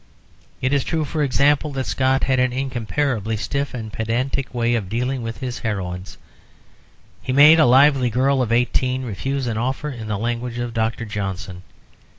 It is true, for example, that Scott had an incomparably stiff and pedantic way of dealing with his heroines: he made a lively girl of eighteen refuse an offer in the language of Dr. Johnson.